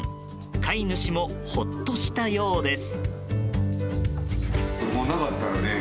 飼い主もほっとしたようです。